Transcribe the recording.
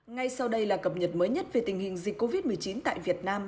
ngay sau đây là cập nhật mới nhất về tình hình dịch covid một mươi chín tại việt nam